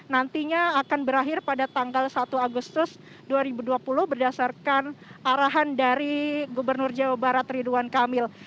nantinya akan berakhir pada tanggal satu agustus dua ribu dua puluh berdasarkan arahan dari gubernur jawa barat ridwan kamil